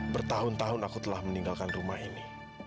bertahun tahun aku telah meninggalkan rumah ini